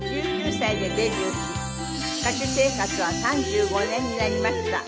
１９歳でデビューし歌手生活は３５年になりました。